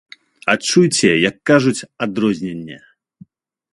Адчуйце, як кажуць, адрозненне!